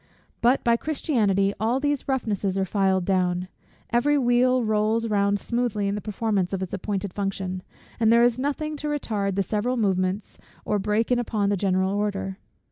But by Christianity all these roughnesses are filed down: every wheel rolls round smoothly in the performance of its appointed function, and there is nothing to retard the several movements, or break in upon the general order.